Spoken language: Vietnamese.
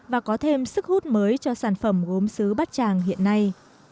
và có thêm sức hút mới cho sản phẩm gốm xứ bát tràng hiện nay